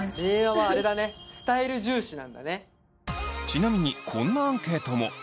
ちなみにこんなアンケートも！